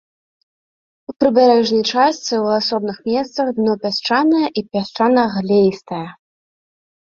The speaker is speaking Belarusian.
У прыбярэжнай частцы ў асобных месцах дно пясчанае і пясчана-глеістае.